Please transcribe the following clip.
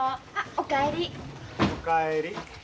お帰り。